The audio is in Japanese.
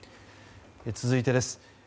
続いてです。